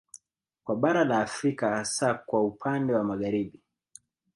Kwa bara la Afrika hasa kwa upande wa Magharibi